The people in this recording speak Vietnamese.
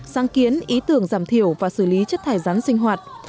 sáng kiến ý tưởng giảm thiểu và xử lý chất thải rắn sinh hoạt